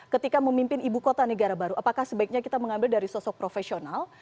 ketika memimpin ibu kota negara baru apakah sebaiknya kita mengambil dari sosok profesional